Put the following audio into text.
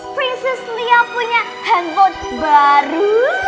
princess liya punya handphone baru